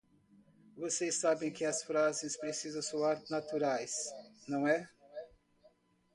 Vocês sabem que as frases precisam soar naturais, não é?